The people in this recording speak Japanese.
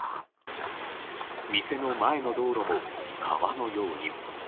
店の前の道路も川のように。